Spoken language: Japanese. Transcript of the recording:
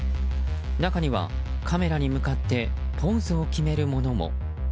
中にはカメラに向かってポーズを決める者も。